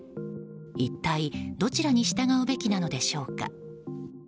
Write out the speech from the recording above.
一体どちらに従うべきなのでしょうか？